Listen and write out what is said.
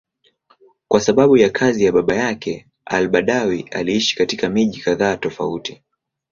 Kwa sababu ya kazi ya baba yake, al-Badawi aliishi katika miji kadhaa tofauti.